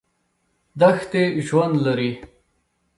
دښتې ژوند لري.